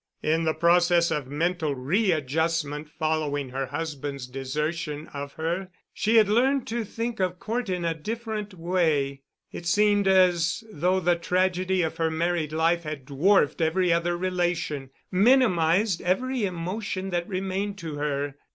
In the process of mental readjustment following her husband's desertion of her she had learned to think of Cort in a different way. It seemed as though the tragedy of her married life had dwarfed every other relation, minimized every emotion that remained to her.